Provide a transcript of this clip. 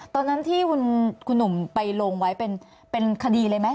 ตอนนั้นที่คุณหนุ่มไปลงไว้เป็นคดีเลยไหม